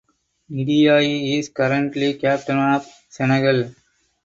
Ndiaye is currently captain of Senegal.